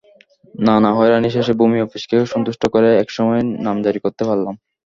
নানা হয়রানি শেষে ভূমি অফিসকে সন্তুষ্ট করে একসময় নামজারি করতে পারলাম।